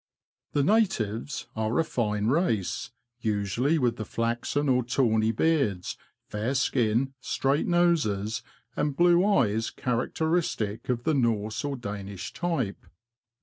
The '' natives " are a fine race, usually with the flaxen or tawny beards, fair skin, straight noses, and blue eyes characteristic of the Norse or Danish type.